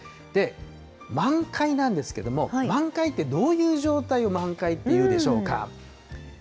で、満開なんですけども、満開ってどういう状態を満開っていうでしょうか。